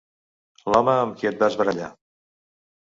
L'home amb qui et vas barallar.